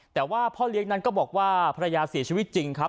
แต่ว่าพ่อเลี้ยงนั้นก็บอกว่าภรรยาเสียชีวิตจริงครับ